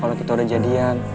kalo kita udah jadian